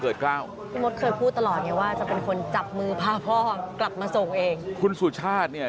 คุณสุชาติเนี่ย